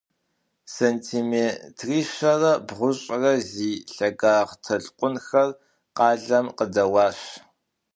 Сантиметрищэрэ бгъущӏрэ зи лъагагъ толъкъунхэр къалэм къыдэуащ.